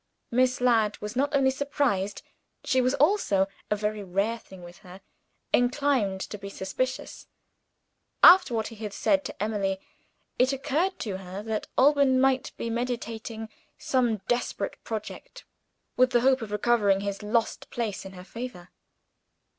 Miss Ladd was not only surprised; she was also a very rare thing with her inclined to be suspicious. After what he had said to Emily, it occurred to her that Alban might be meditating some desperate project, with the hope of recovering his lost place in her favor.